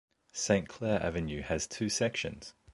Saint Clair Avenue has two sections.